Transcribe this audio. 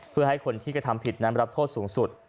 เพื่อให้คนที่กระทำผิดนั้นรับโทษสูงสุด